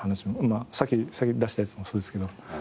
まあさっき出したやつもそうですけど。